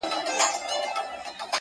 نن قانون او حیا دواړه له وطنه کوچېدلي.!